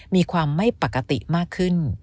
มีความไม่ปกติมากขึ้น